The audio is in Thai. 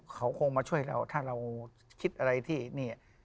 เขาคงมาช่วยเราถ้าเราคิดอะไรที่นี่